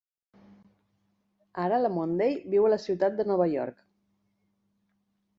Ara, la Monday viu a la ciutat de Nova York.